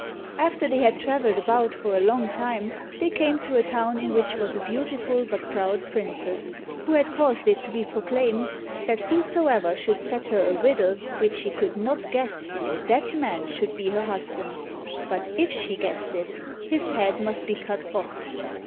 After they had traveled about for a long time, they came to a town in which was a beautiful but proud princess, who had caused it to be proclaimed that whosoever should set her a riddle which she could not guess, that man should be her husband; but if she guessed it, his head must be cut off.